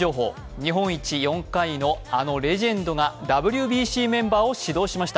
日本一４回の、あのレジェンドがＷＢＣメンバーを指導しました。